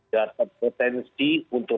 data potensi untuk